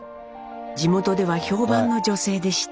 地元では評判の女性でした。